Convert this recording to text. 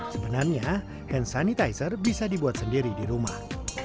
sebenarnya hand sanitizer bisa dibuat sendiri di rumah